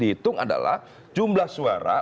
dihitung adalah jumlah suara